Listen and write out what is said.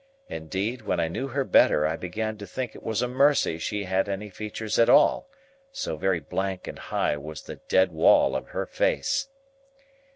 Indeed, when I knew her better I began to think it was a Mercy she had any features at all, so very blank and high was the dead wall of her face.